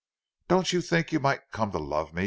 "Don't you think that you might come to love me?"